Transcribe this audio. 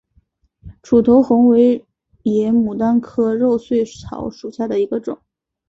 楮头红为野牡丹科肉穗草属下的一个种。